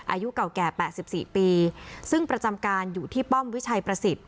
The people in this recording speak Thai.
อายุเก่าแก่๘๔ปีซึ่งประจำการอยู่ที่ป้อมวิชัยประสิทธิ